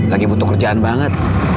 lagi butuh kerjaan banget